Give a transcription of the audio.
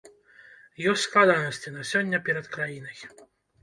Ёсць складанасці на сёння перад краінай.